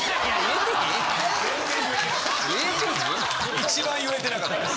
一番言えてなかったです。